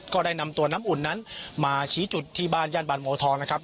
ก็ได้นำตัวน้ำอุ่นนั้นมาชี้จุดที่บ้านย่านบางโมทองนะครับ